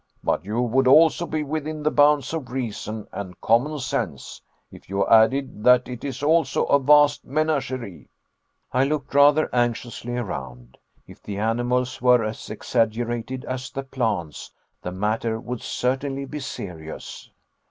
But you would also be within the bounds of reason and common sense, if you added that it is also a vast menagerie." I looked rather anxiously around. If the animals were as exaggerated as the plants, the matter would certainly be serious.